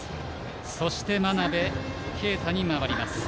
そして、真鍋慧に回ります。